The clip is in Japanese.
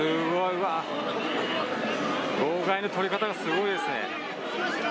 うわー、号外の取り方がすごいですね。